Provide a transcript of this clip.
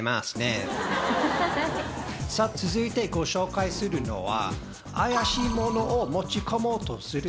さぁ続いてご紹介するのは。